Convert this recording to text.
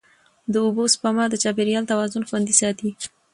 د اوبو سپما د چاپېریال توازن خوندي ساتي.